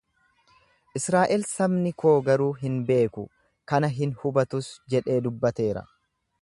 Israa'el sabni koo garuu hin beeku, kana hin hubatus jedhee dubbateera.